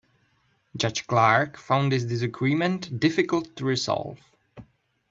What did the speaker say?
Judge Clark found this disagreement difficult to resolve.